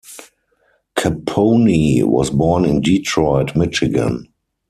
Caponi was born in Detroit, Michigan.